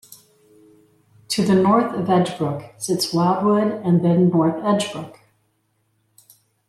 To the north of Edgebrook sits Wildwood and then North Edgebrook.